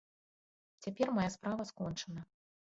Цяпер мая справа скончана.